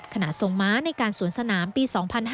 ทรงม้าในการสวนสนามปี๒๕๕๙